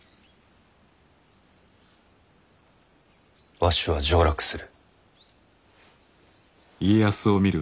わしは上洛する。